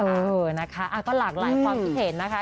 เออนะคะก็หลากหลายความคิดเห็นนะคะ